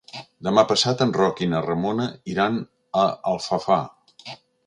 Demà passat en Roc i na Ramona iran a Alfafar.